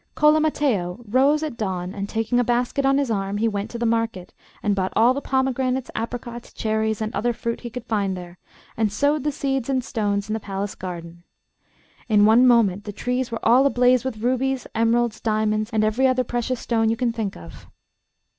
Cola Mattheo rose at dawn, and taking a basket on his arm, he went to the market, and bought all the pomegranates, apricots, cherries, and other fruit he could find there, and sowed the seeds and stones in the palace garden. In one moment, the trees were all ablaze with rubies, emeralds, diamonds, and every other precious stone you can think of.